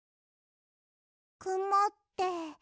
くもって。